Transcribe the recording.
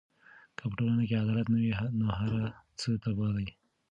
که په ټولنه کې عدالت نه وي، نو هر څه تباه دي.